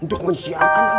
untuk menyiarkan agama